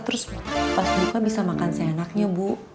terus pas diva bisa makan seenaknya bu